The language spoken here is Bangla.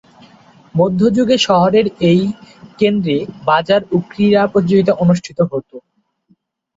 মধ্যযুগে শহরের এই কেন্দ্রে বাজার ও ক্রীড়া প্রতিযোগিতা অনুষ্ঠিত হত।